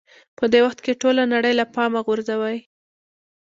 په دې وخت کې ټوله نړۍ له پامه غورځوئ.